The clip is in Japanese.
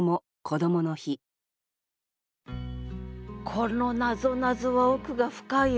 このなぞなぞは奥が深いよ。